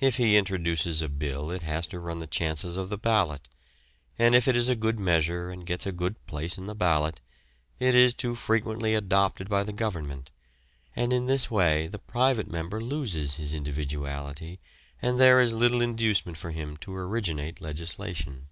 If he introduces a bill it has to run the chances of the ballot, and if it is a good measure and gets a good place in the ballot, it is too frequently adopted by the Government, and in this way the private member loses his individuality and there is little inducement for him to originate legislation.